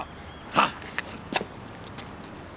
さあ。